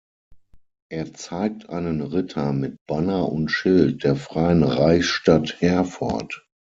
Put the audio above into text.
Er zeigt einen Ritter mit Banner und Schild der freien Reichsstadt Herford.